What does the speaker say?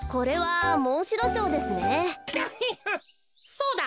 そうだ。